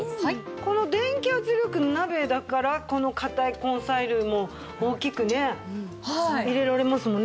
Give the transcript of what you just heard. この電気圧力鍋だからこの硬い根菜類も大きくね入れられますもんね。